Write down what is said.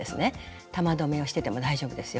玉留めをしてても大丈夫ですよ。